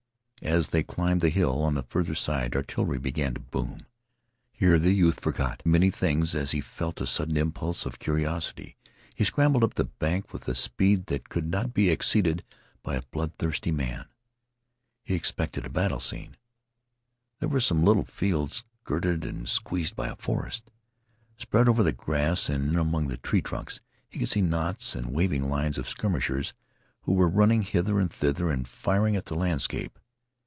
As they climbed the hill on the farther side artillery began to boom. Here the youth forgot many things as he felt a sudden impulse of curiosity. He scrambled up the bank with a speed that could not be exceeded by a bloodthirsty man. He expected a battle scene. There were some little fields girted and squeezed by a forest. Spread over the grass and in among the tree trunks, he could see knots and waving lines of skirmishers who were running hither and thither and firing at the landscape.